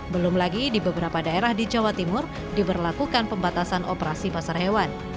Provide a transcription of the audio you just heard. belum lagi di beberapa daerah di jawa timur diberlakukan pembatasan operasi pasar hewan